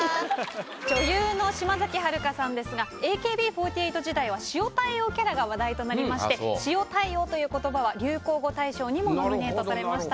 女優の島崎遥香さんですがＡＫＢ４８時代は塩対応キャラが話題となりまして「塩対応」という言葉は流行語大賞にもノミネートされました。